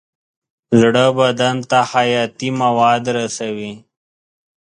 زړه بدن ته حیاتي مواد رسوي.